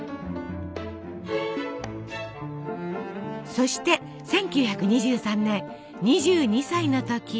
そして１９２３年２２歳の時。